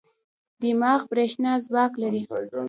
دماغ برېښنا ځواک لري.